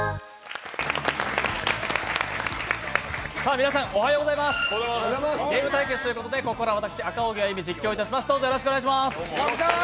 皆さん、おはようございますゲーム対決ということで、ここからは私、赤荻歩が実況いたします。